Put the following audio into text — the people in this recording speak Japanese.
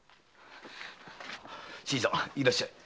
新さんいらっしゃい。